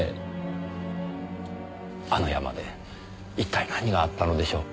あの山で一体何があったのでしょう？